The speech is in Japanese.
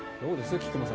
菊間さん